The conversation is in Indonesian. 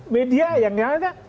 media yang lainnya